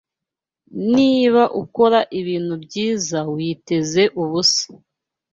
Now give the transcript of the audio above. Niba ukora ibintu byiza witeze ubusa